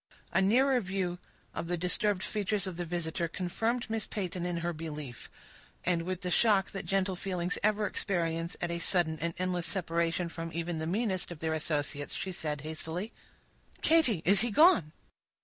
A nearer view of the disturbed features of the visitor confirmed Miss Peyton in her belief; and, with the shock that gentle feelings ever experience at a sudden and endless separation from even the meanest of their associates, she said hastily,— "Katy, is he gone?"